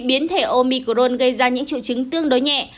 biến thể omicron gây ra những triệu chứng tương đối nhẹ